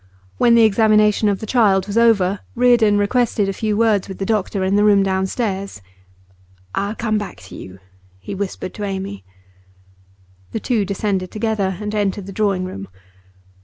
When the examination of the child was over, Reardon requested a few words with the doctor in the room downstairs. 'I'll come back to you,' he whispered to Amy. The two descended together, and entered the drawing room.